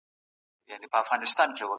ایا تکړه پلورونکي انځر پروسس کوي؟